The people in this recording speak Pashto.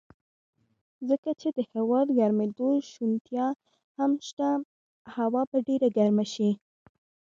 ځکه چې د هوا ګرمېدو شونتیا هم شته، هوا به ډېره ګرمه شي.